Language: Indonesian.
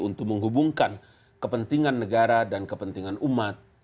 untuk menghubungkan kepentingan negara dan kepentingan umat